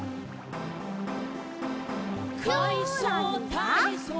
「かいそうたいそう」